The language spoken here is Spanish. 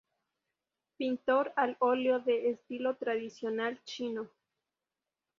Pintor al oleo de estilo tradicional chino.